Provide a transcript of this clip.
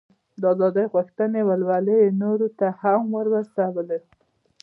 د ازادۍ غوښتنې ولولې یې نورو ته هم ور ورسولې.